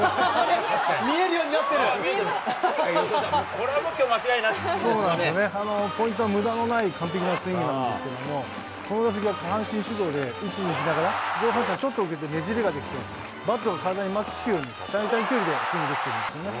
これはきょう、間違いなしでポイントは、むだのない完璧なスイングなんですけど、この打席は下半身しゅどうで、打ちに行きながら上半身を受けて、ねじりができて、バットが体に巻きつくように、最短距離でスイングしてるんですよね。